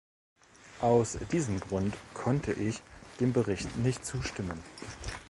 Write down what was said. Aus diesem Grund konnte ich dem Bericht nicht zustimmen.